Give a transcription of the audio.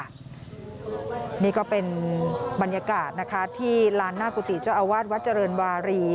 นี่ก็เป็นบรรยากาศนะคะที่ลานหน้ากุฏิเจ้าอาวาสวัดเจริญวารี